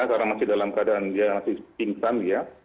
karena masih dalam keadaan dia masih pingsan ya